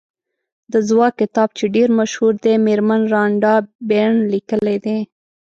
د ځواک کتاب چې ډېر مشهور دی مېرمن رانډا بېرن لیکلی دی.